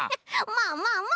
まあまあまあ。